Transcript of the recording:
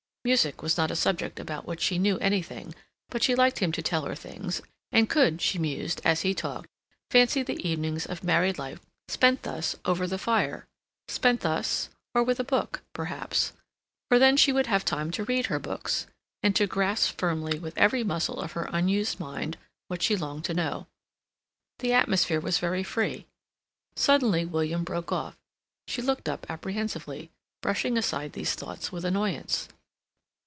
Music was not a subject about which she knew anything, but she liked him to tell her things; and could, she mused, as he talked, fancy the evenings of married life spent thus, over the fire; spent thus, or with a book, perhaps, for then she would have time to read her books, and to grasp firmly with every muscle of her unused mind what she longed to know. The atmosphere was very free. Suddenly William broke off. She looked up apprehensively, brushing aside these thoughts with annoyance.